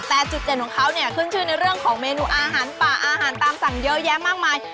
แต่จุดเด่นของเขาเนี่ยขึ้นชื่อในเรื่องของเมนูอาหารป่าอาหารตามสั่งเยอะแยะมากมาย